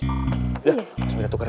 udah langsung kita tuker yuk